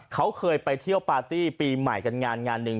เขาเคยไปเที่ยวปาร์ตี้ปีใหม่กันงานงานหนึ่ง